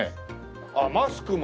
あっマスクも！